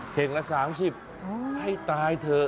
เข่งละ๓๐ให้ตายเถอะ